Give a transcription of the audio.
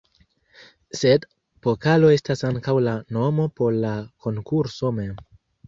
Sed "pokalo" estas ankaŭ la nomo por la konkurso mem.